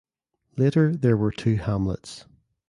Later there were two hamlets.